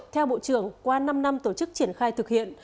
theo bộ trưởng qua năm năm tổ chức triển khai thực hiện